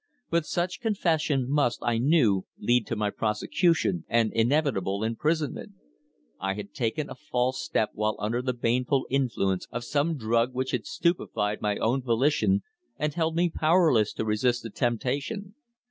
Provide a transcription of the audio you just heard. But such confession must, I knew, lead to my prosecution and inevitable imprisonment. I had taken a false step while under the baneful influence of some drug which had stultified my own volition and held me powerless to resist the temptation.